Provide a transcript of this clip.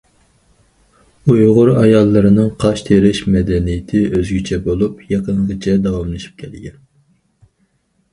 ئۇيغۇر ئاياللىرىنىڭ قاش تېرىش مەدەنىيىتى ئۆزگىچە بولۇپ، يېقىنغىچە داۋاملىشىپ كەلگەن.